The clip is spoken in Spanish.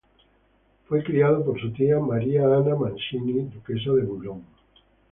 Fue criado por su tía, María Ana Mancini, duquesa de Bouillon.